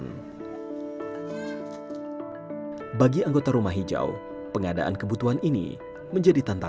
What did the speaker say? akibatnya ketersediaan sayuran hijau segar masyarakat pulau sangat bergantung pada pasokan dari daratan